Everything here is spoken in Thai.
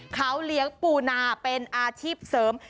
เขาเลี้ยงปูนาเป็นอาชีพเสริม